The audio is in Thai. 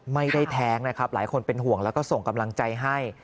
แท้งนะครับหลายคนเป็นห่วงแล้วก็ส่งกำลังใจให้